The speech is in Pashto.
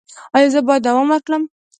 ایا زه باید دوام ورکړم؟